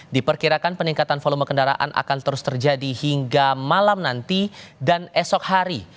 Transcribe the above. diperkirakan peningkatan volume kendaraan akan terus terjadi hingga malam nanti dan esok hari